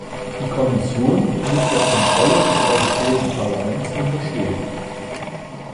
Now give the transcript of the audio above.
Die Kommission muss der Kontrolle des Europäischen Parlaments unterstehen.